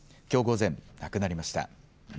きょう午前、亡くなりました。